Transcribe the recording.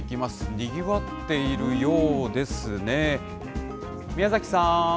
にぎわっているようですね。